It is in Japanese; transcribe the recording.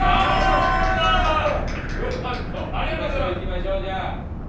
行きましょうじゃあ。